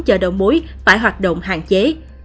chợ đầu mối phải hoạt động hạn chế